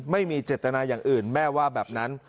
ไม่มีเจตนาอย่างอื่นแม่ว่าแบบนั้น